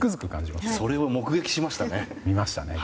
まさにそれを目撃しましたね。